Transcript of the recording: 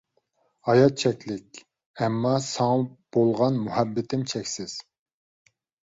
ھايات چەكلىك، ئەمما ساڭا بولغان مۇھەببىتىم چەكسىز.